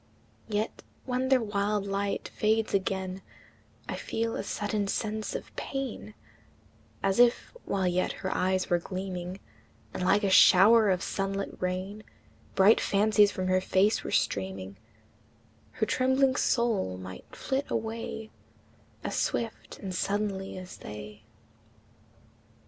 Yet when their wild light fades again, I feel a sudden sense of pain, As if, while yet her eyes were gleaming, And like a shower of sun lit rain Bright fancies from her face were streaming, Her trembling soul might flit away As swift and suddenly as they.